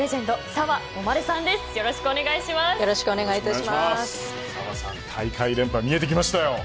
澤さん、大会連覇見えてきましたよ。